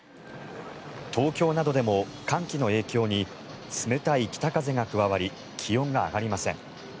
東京などでも寒気の影響に冷たい北風が加わり気温が上がりません。